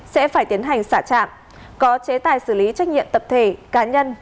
sẽ phải tiến hành xả trạm có chế tài xử lý trách nhiệm tập thể cá nhân